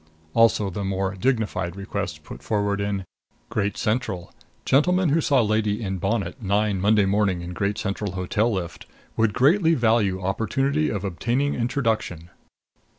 Also the more dignified request put forward in: GREAT CENTRAL: Gentleman who saw lady in bonnet 9 Monday morning in Great Central Hotel lift would greatly value opportunity of obtaining introduction.